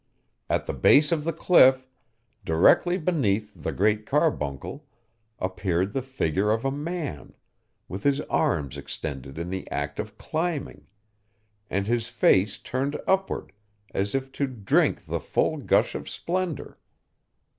At the base of the cliff, directly beneath the Great Carbuncle, appeared the figure of a man, with his arms extended in the act of climbing, and his face turned upward, as if to drink the full gush of splendor.